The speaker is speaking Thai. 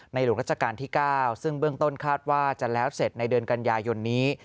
หลวงราชการที่๙ซึ่งเบื้องต้นคาดว่าจะแล้วเสร็จในเดือนกันยายนนี้